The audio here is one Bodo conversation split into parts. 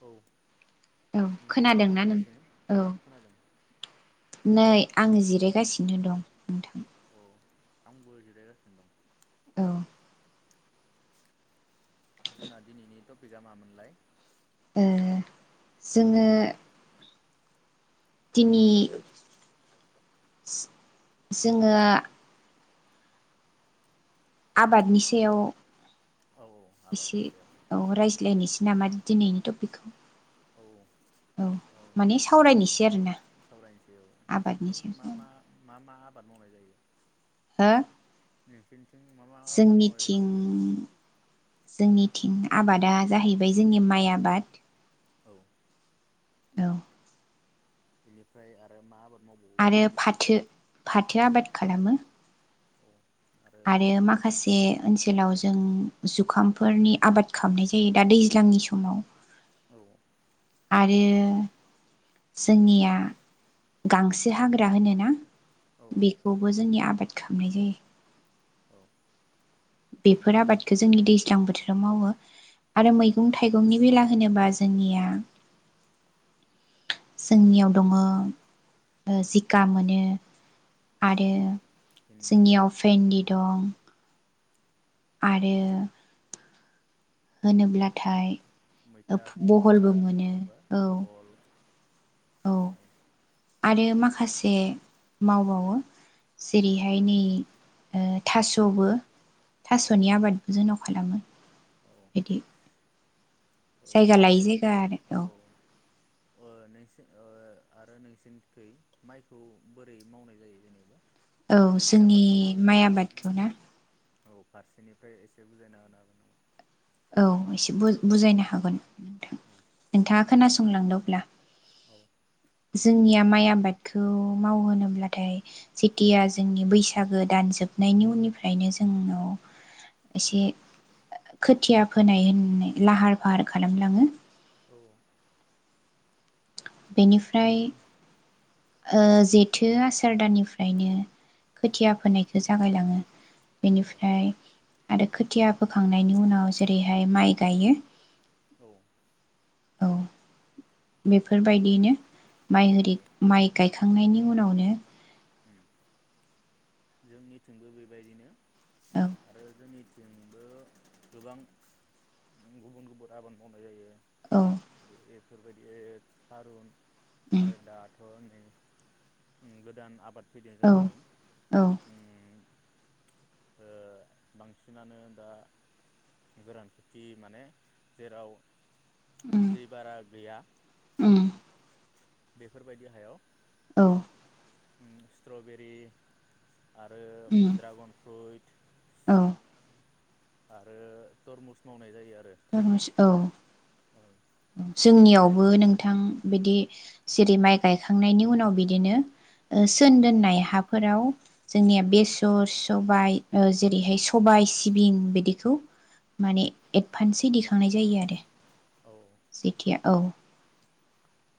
औ औ नोंथाङा मा खोनादोंना नों खालामगासिनो औ खोनादों नै आङो जिरायगासिनो दं नोंथां। औ आंबो जिरायगासिनो दं। औ जोंना दिनैनि टपिकआ मामोनलाय? ओ जोङो दिनि जोङो आबादनि सायाव औ औ एसे आबादनि सायाव औ रायज्लायनोसै नामा दिनै? टपिकखौ औ औ माने नोंसोरनिथिं सावरायनोसै आरोना सावरायनोसै औ आबादनि नोंसोरनिथिं मा सायाव मा मा मा आबाद मावनाय जायो? हो नोंसोरनिथिं मा मा आबाद मावनाय जोंनिथिं जायो जोंनिथिं आबादा जाहैबाय जोंनि माइ आबाद। औ औ बेनिफ्राय आरो मा मावबावो आरो फाथो फाथो आबाद खालामो। औ आरो माखासे ओनसोलाव जों जुखामफोरनि आबाद खालामनाय जायो दा दैज्लांनि समाव। औ आरो जोंनिया गांसो हाग्रा होनोना? औ बेखौबो जोंनि आबाद खांनाय जायो। औ उम बेफोर आबादखौ जोंनि दैज्लां बोथोर आव मावो। आरो औ मैगं थाइगंनि बेला होनोबा जोंनिया जोंनियाव दङ ओ जिखा मोनो औ आरो भिन्दि जोंनियाव भेन्दि दं। आरो होनोब्लाथाय मैथा खुमब्रा बहलबो मोनो नङा औ होमबा बहल औ आरो माखासे मावबावो। औ जेरैहाय नै ओ थासबो औ थासनि आबादबो जोंनाव खालामो औ इदि औ जायगा लायै जायगा आरो औ नों आरो नोंसिनिखै माइखौ बोरै मावनाय जायो जेनेबा औ माइ जोंनि आबादखौ औ माइ आबादखौ ना? औ फारसेनिफ्राय एसे बुजायना होनो हागोन नामा? औ एसे बुजायनो हागोन नोंथां नोंथाङा खोनासंलांदों अब्ला औ जोंनिया माइ आबादखौ मावहोनोब्लाथाय जेथिया जोंनि बैसागो दानजोबनायनि उननिफ्रायनो जोंनाव एसे खोथिया फोनाय होननाय लाहार फाहार खालामलाङो औ बेनिफ्राय ओ जेथो आसार दानानिफ्रायनो खोथिया फोनायखो जागायलाङो। बेनिफ्राय आरो खोथिया बोखांनायनि उनाव जेरैहाय माइ गायो औ औ बेफोरबायदियैनो माइ औ [unintelligible] माइ गाय खांनायनि उनावनो उ जोंनिथिंबो बेबायदिनो औ आरो जोंनि जोंबो गोबां गुबुन गुबुन आबाद मावनाय जायो। औ बेफोरबायदि थारुन उम आरो दाथ गोदान आबाद फैदो औ जोंनिथिं औ उ ओ बांसिनानो दा गोरान खेथि माने जेराव उम दै बारा गैया उम बेफोरबायदि हायाव औ स्ट्रबेरि आरो उम ड्रागन फ्रुइट औ आरो तरमुस मावनाय जायो आरो तरमुस औ औ बे जोंनियावबो नोंथां ओं बिदि जेरै माइ गायखांनायनि उनाव बिदिनो ओ सोन दोननाय हाफोराव जोंनिया बेसर, सबाय ओ जेरैहाय सबाय, सिबिं बिदिखौ माने एद फानसे दिखांनाय जायो आरो। औ जिथिया औ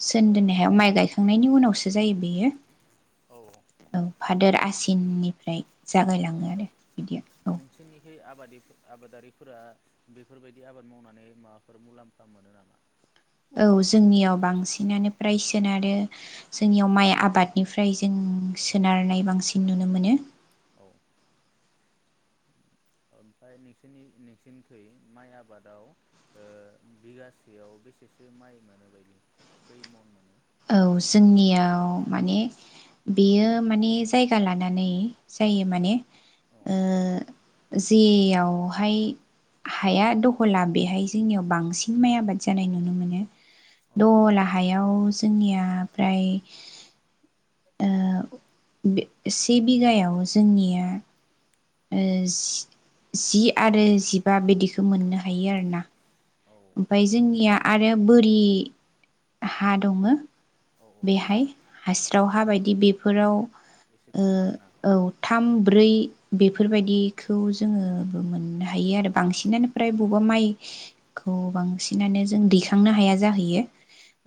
सोन दोननाय हायाव माइ गायखांनायनि उनावसो जायो बेयो। ओ औ औ फादोर आसि दिननिफ्राय ओ जागायलाङो आरो बिदिया औ नोंसोरनिखै आबादि आबादारिफोरा बेफोरबायदि आबाद मावनानै माबाफोर मुलाम्फा मोनो नामा? औ जोंनियाव बांसिनानो फ्राय सोनारो जोंनियाव माइ आबादनिफ्राय जों सोनारनाय बांसिन नुनो मोनो। औ ओमफाय नोंसिनि नोंसिनिखै माइ आबादाव ओ बिगासेयाव बेसेसो माइ मोनो बायदि खै मन मोनो? औ जोंनियाव माने बेयो माने जायगा लानानै जायो माने औ ओ जेयावहाय हाया दहला बेहाय जोंनियाव बांसिन माइ आबाद जानाय नुनो मोनो। औ दहला हायाव निया फ्राय ओ बे से बिगायाव जोंनिया ओ जि आरो जिबा बिदिखौ मोननो हायो आरोना। औ ओमफाय जोंनिया आरो बोरि हा दङो। औ बेहाय हास्राव हा एसे बायदि बेफोराव एसे ओ खम आरोना औ थाम ब्रै बेफोरबायदिखौ जोङो मोननो हायो आरो बांसिनानो फ्राय बबेबा माइखौ बांसिनानो जों दैखांनो हाया जाहैयो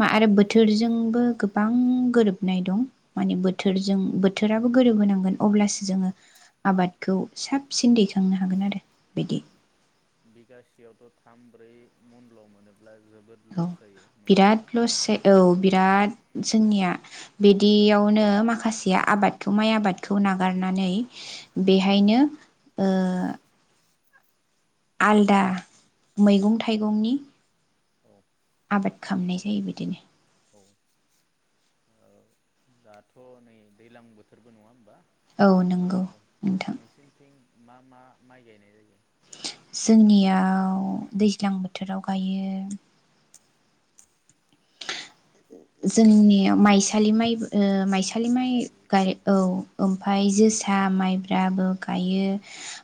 मा आरो औ बोथोरजोंबो गोबां गोरोबनाय दं। माने बोथोरजों बोथ थोराबो गोरोबहोनांगोन अब्लासो जोङो उम आबादखौ साबसिन दैखांनो हागोन आरो। बिदि बिगासेयावथ' थाम ब्रै मुनल' मोनो। औ बिराद लस सै औ बिराद जोंनिया बिदियावनो माखासे आबादखौ माइ आबादखौ नागारनानै औ बेहायनो ओ आलदा मैगं थाइगंनि औ आबाद खामनाय जायो बिदिनो औ ओ दाथ' नै दैलां बोथोरबो नङा होमबा? औ नंगौ औ औ नोंथां। नोंसिनिथिं मा मा माइ गायनाय जायो? जोंनियाव दैज्लां बोथोराव गायो ओ जोंनि माइ स सालि माइबो ओ माइसालि माइ गाय औ ओमफाय जोसा माइब्राबो गायो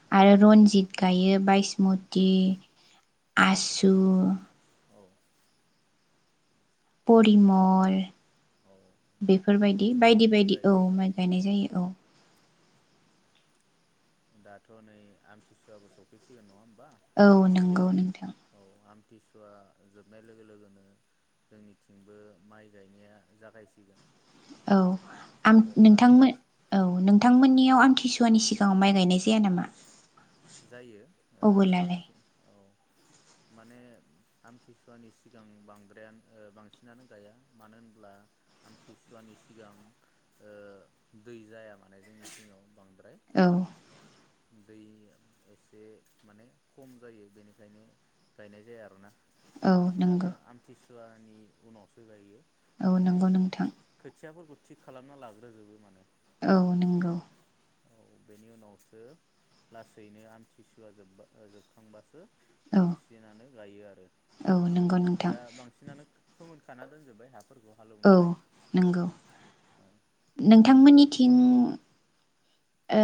औ आरो रनजित गायो, बायसमति, आसु, औ परिमल, औ बेफोरखौ बेफोरबायदि बायदि जोंनिथिंबो बायदि औ गायो माइ गायनाय जायो औ। दाथ' नै आमथिसुवाबो सफैसिगोन नङा होम औ नंगौ नोंथां। थिसुवा जोबनाय लोगो लोगोनो जोंनिथिंबो माइ गायनाया जागायसिगोन। औ आम अब्ला नोंथांमोन औ नोंथांमोननियाव आम थिसुवानि सिगाङाव माइ गायनाय जाया नामा? जायो ओ अबोलालाय बांसिन औ। माने आमथिसुवानि सिगां बांद्रायानो ओ बांसिनानो गाया मानो होनब्ला आमथिसुवानि सिगां ओ दै जाया माने जोंनि थिङाव बांद्राय। [unintelligible] औ दै एसे माने खम जायो बेनिखायनो गायनाय जाया आरोना। औ बांसिनानो नंगौ आमथिसु सुवानि उनावसो गायो। औ माने नंगौ नोंथां खोथियाफोरखौ थिग खालामना लाग्रोजोबो माने। औ नंगौ। औ बेनि उनावसो लास सैनो आमथिसुवा जोब्बा जोबखांबासो औ बांसिनानो गायो आरो औ नंगौ नोंथां दा बांसिनानो फोमोनखाना दोनजोबबाय हा औ नंगौ औ नोंथांमोननि थिं ओ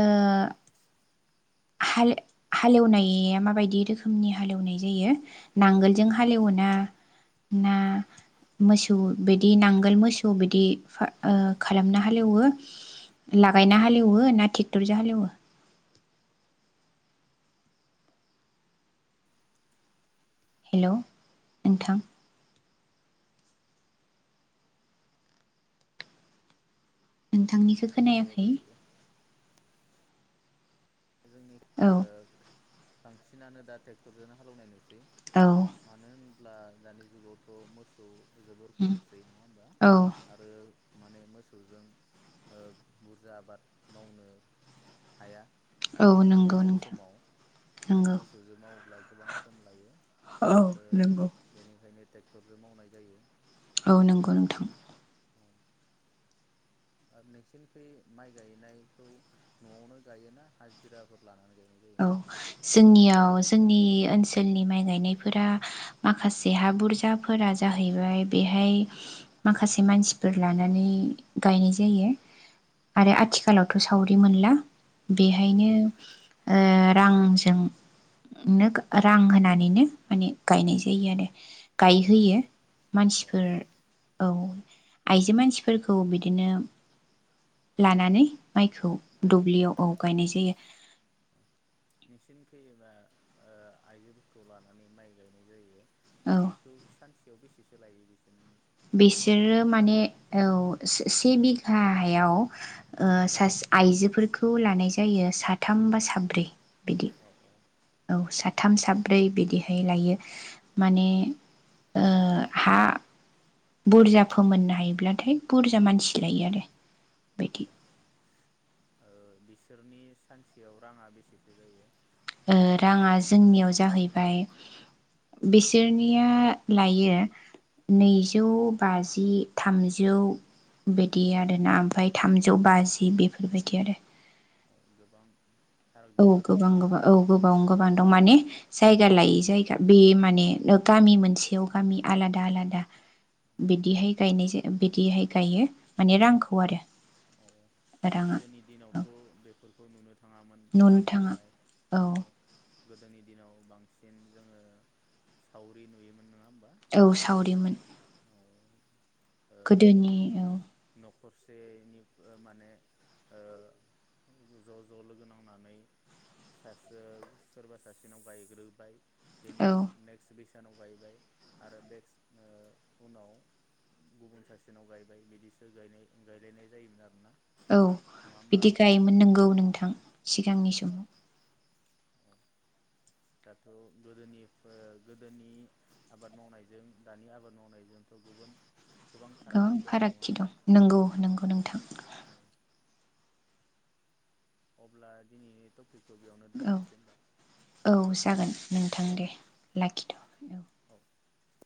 हाल-हालेवनाया माबायदि रोखोमनि हालेवनाय जायो? नांगोलजों हालेवना ना मोसौ बिदि नांगोल मोसौ बिदि फा ओ औ खालामना हालेवो? लागायना हालेवो ना टेक्टरजों हालेवो? हेल' नोंथां। नोंथांनिखो ट्रेक्टर खोनायाखै। जोंनि औ ओ बांसिनानो दा टेक्टरजोंनो हालौनाय नुसै। औ सा मानो होन अब्ला दानि जुगावथ मोसौ जोबोर खमसै नङा होमबा औ आरो माने मोसौजों बुरजा आबाद मावनो हाया औ नंगौ खम नोंथां समाव नंगौ मोसौजों मावोब्ला गोबां सम लायो औ आरो नंगौ बेनिखायनो ट्रेक्टरजों मावनाय जायो औ नंगौ नोंथां औ आरो नोंसिनिथिं माइ गायनायखौ नआवनो गायोना हाजिराफोर लानानै गायनाय जायो औ जोंनियाव जोंनि ओनसोलनि माइ गायनायफोरा माखासे हा बुरजाफोरा जाहैबाय बेहाय माखासे मानसिफोर लानानै गायनाय जायो आरो आथिखालावथ सावरि मोनला औ बेहायनो रांजोंनो रां होनानैनो माने गायनाय जायो आरो गायहोयो औ औ मानसिफोर औ आइजो मानसिफोरखौ बिदिनो लानानै माइखौ गायनाय जायो दुब्लियाव औ गायनाय जायो नोंसिनि फैयोबा आइजोफोरखौ लानानै माइ गायनाय जायो औ बेखौ सानसे थायाव बेसेसो लायो बिसोरनि बिसोरो औ माने औ से बिघायाव सा आइजोफोरखौ लानाय जायो साथाम बा साब्रै बिदि औ औ औ सा साथाम साब्रै बिदिहाय लायो माने ओ हा बुरजा फोमोननो हायोब्लाथाय बुरजा मानसि लायो आरो औ बेदि बिसोरनि सानसेयाव राङा बेसेसो जायो राङा जोंनियाव जाहैबाय बिसोरनिया लायो नैजौ बाजि थामजौ बिदि औ आरोना ओमफ्राय थामजौ बाजि बेफोरबायदि आरो औ गोबां फाराग औ दं आरोना गोबां गोबां औ गोबां गोबांनो दा माने जायगा लायै जायगा बे माने गामि मोनसेयाव गामि आलादा आलादा बिदिहाय गायनाय जायो बिदिहाय गायो माने रांखौ आरो औ राङा गोदोनि औ दिनावथ बेफोरखौ नुनो थाखाय नुनो थाङा औ गोदोनि दिनाव बांसिन जोङो सावरि नुयोमोन नङा औ सावरिमोन औ ओ गोदोनि औ नखरसेनि माने ज ज लोगो नांनानै सासे सोरबा सासेनाव गायग्रोबाय बेनि औ उनाव नेक्स्ट बेस जोंहानाव गायबाय आरो नेक्स्ट ओ उनाव गुबुन सासेनाव गायबाय बिदि गायनाय गायलायनाय जायोमोन आरो ना औ बिदि गायोमोन नंगौ नोंथां औ सिगांनि समाव। औ दाथ' गोदोनि ओ गोदोनि आबाद मावनायजों दानि आबाद मावनायजोंथ' गुबुन फारागथि गोबां दं नङा फारागि होमबा दं नंगौ नंगौ नोंथां। औ अब्ला दिनैनि थ औ औ जागोन नोंथां दे। लाखिथ औ [unintelligible]